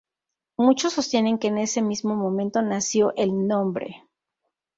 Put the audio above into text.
Muchos sostienen que en ese mismo momento nació el nombre.